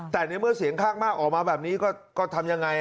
แต่ในเมื่อเสียงข้างมากออกมาแบบนี้ก็ทำยังไง